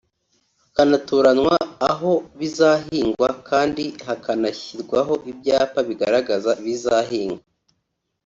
hakanatoranywa aho bizahingwa kandi hakanashyirwaho ibyapa bigaragaza ibizahingwa